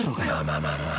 まあまあ。